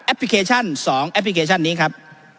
แอปพลิเคชันสองนี้ครับ